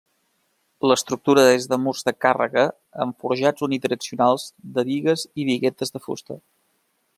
L'estructura és de murs de càrrega amb forjats unidireccionals de bigues i biguetes de fusta.